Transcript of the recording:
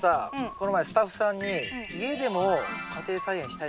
この前スタッフさんに家でも家庭菜園したいなって相談してたでしょ。